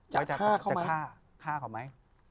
จะฆ่าเขาไหม